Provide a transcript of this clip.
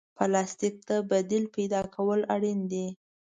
پلاستيک ته د بدیل پیدا کول اړین دي.